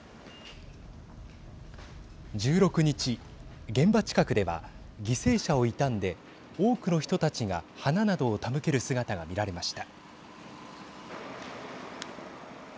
１６日現場近くでは犠牲者を悼んで多くの人たちが花などを手向ける姿が見られました。